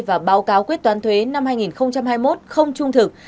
và báo cáo quyết toán thuế năm hai nghìn hai mươi một không trung thực